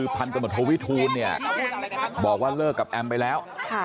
พันธุ์ทุนแอมท์ก็เลยให้เรียบบอกว่าเลิกกับแอมไปแล้ว